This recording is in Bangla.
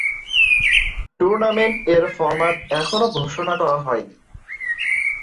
টুর্নামেন্ট এর ফরম্যাট এখনো ঘোষণা করা হয়নি।